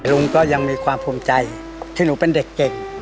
ลุงก็ยังมีความภูมิใจที่หนูเป็นเด็กเก่ง